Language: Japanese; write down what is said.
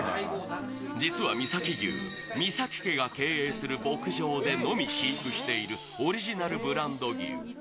実は美崎牛、美崎家が経営する牧場のみで飼育しているオリジナルブランド牛。